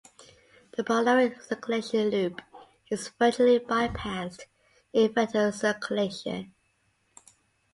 The pulmonary circulation loop is virtually bypassed in fetal circulation.